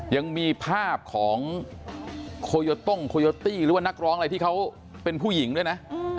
ยังมีภาพของโคโยต้งโคโยตี้หรือว่านักร้องอะไรที่เขาเป็นผู้หญิงด้วยนะ